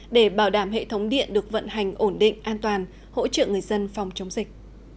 để bảo đảm hệ thống điện được vận hành ổn định an toàn hỗ trợ người dân phòng chống dịch